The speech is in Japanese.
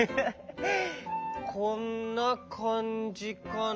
こんなかんじかな？